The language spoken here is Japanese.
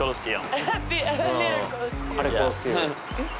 えっ？